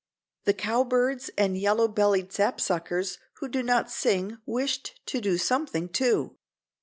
The cowbirds and yellow bellied sapsuckers who do not sing wished to do something, too.